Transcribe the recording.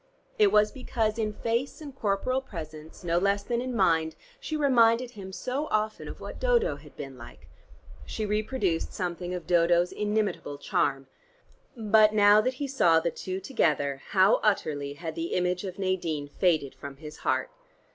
It was because in face and corporal presence no less than in mind she reminded him so often of what Dodo had been like. She reproduced something of Dodo's inimitable charm: But now that he saw the two together how utterly had the image of Nadine faded from his heart.